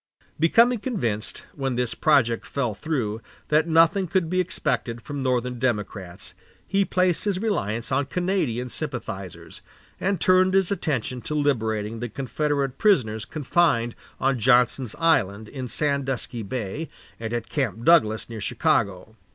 Becoming convinced, when this project fell through, that nothing could be expected from Northern Democrats he placed his reliance on Canadian sympathizers, and turned his attention to liberating the Confederate prisoners confined on Johnson's Island in Sandusky Bay and at Camp Douglas near Chicago.